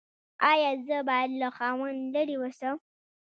ایا زه باید له خاوند لرې اوسم؟